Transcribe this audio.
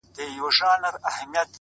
و ماته به د دې وطن د کاڼو ضرورت سي!!